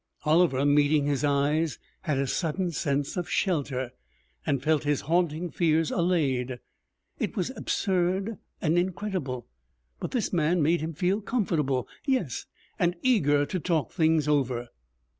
Oliver, meeting his eyes, had a sudden sense of shelter, and felt his haunting fears allayed. It was absurd and incredible, but this man made him feel comfortable, yes, and eager to talk things over.